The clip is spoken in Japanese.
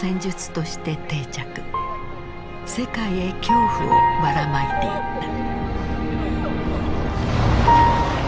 世界へ恐怖をばらまいていった。